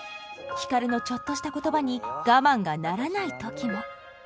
光のちょっとした言葉に我慢がならない時も。